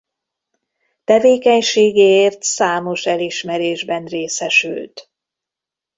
Tevékenységéért számos elismerésben részesült.